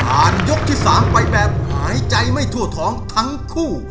ยกที่๓ไปแบบหายใจไม่ทั่วท้องทั้งคู่